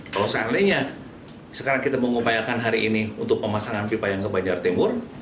kalau seandainya sekarang kita mengupayakan hari ini untuk pemasangan pipa yang ke banjar timur